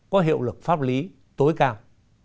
có hiệu lực pháp lý tối cao